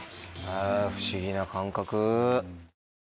へぇ不思議な感覚。